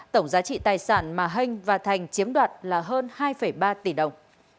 tổng giá trị tài sản mà hênh và thành chiếm đoạt là hơn hai ba tỷ đồng